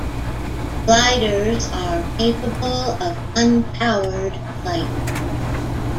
Gliders are capable of unpowered flight.